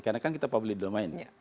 karena kan kita public domain